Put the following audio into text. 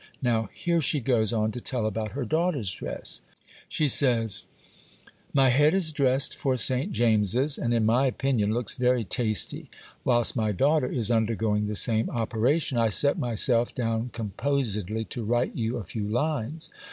Now, here she goes on to tell about her daughter's dress. She says:— '"My head is dressed for St. James's, and in my opinion looks very tasty. Whilst my daughter is undergoing the same operation, I set myself down composedly to write you a few lines.